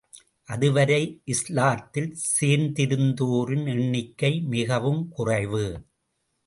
அதுவரை இஸ்லாத்தில் சேர்ந்திருந்தோரின் எண்ணிக்கை மிகவும் குறைவு.